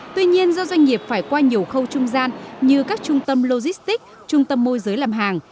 tuy nhiên do doanh nghiệp phải qua nhiều khâu trung gian như các trung tâm logistics trung tâm môi giới làm hàng